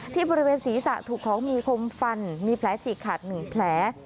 ที่บริเวณศีรษะถูกของมีคมฟันมีแผลฉีกขาด๑แผล